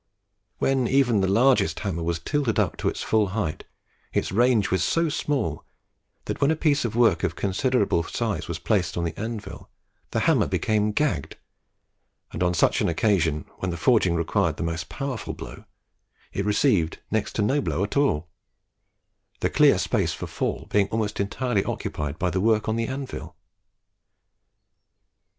When even the largest hammer was tilted up to its full height, its range was so small, that when a piece of work of considerable size was placed on the anvil, the hammer became "gagged," and, on such an occasion, where the forging required the most powerful blow, it received next to no blow at all, the clear space for fall being almost entirely occupied by the work on the anvil.